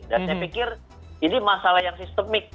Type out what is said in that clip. dan saya pikir ini masalah yang sistemik